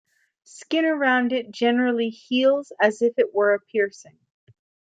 The skin around it generally heals as if it were a piercing.